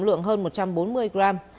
tổng lượng hơn một trăm bốn mươi gram